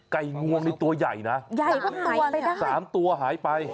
งวงนี่ตัวใหญ่นะใหญ่ก็หายไปได้สามตัวหายไป